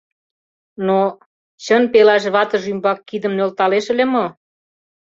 Но... чын пелаш ватыже ӱмбак кидым нӧлталеш ыле мо?..